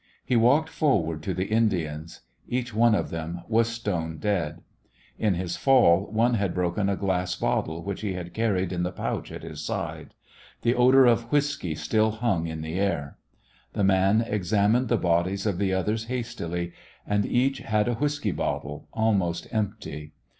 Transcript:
He walked forward to the Indians. Each one of them was stone dead. In his fall one had broken a glass bottle which he had carried in the pouch at his side. The odor of whisky still hung in the air. The man examined the bodies of the others hastily, and each had a whisky bottle almost empty.